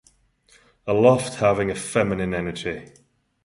I loved having a feminine energy.